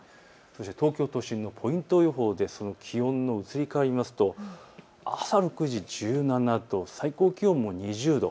そして東京都心のポイント予報で気温の移り変わりを見ると朝６時１７度、最高気温も２０度。